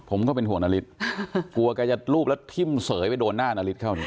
ผมก็เป็นห่วงนาริสกลัวแกจะรูปแล้วทิ้มเสยไปโดนหน้านาริสเข้าเนี่ย